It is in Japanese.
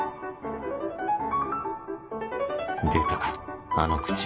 出たあの口。